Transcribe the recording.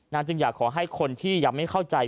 จึงอยากขอให้คนที่ยังไม่เข้าใจ